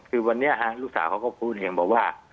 คือวันนี้นะฮะลูกสาวเขาก็พูดอย่างเนียบอกว่า